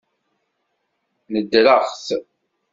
Nedreɣ-t.